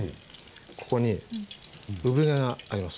ここに産毛があります。